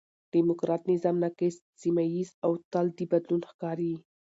ډيموکراټ نظام ناقص، سمیه ييز او تل د بدلون ښکار یي.